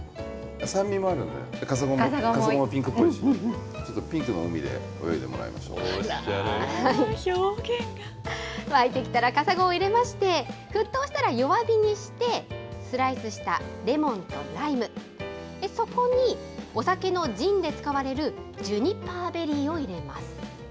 酸味もあるんでね、カサゴもピンクっぽいし、沸いてきたらカサゴを入れまして、沸騰したら弱火にして、スライスしたレモンとライム、そこに、お酒のジンで使われるジュニパーベリーを入れます。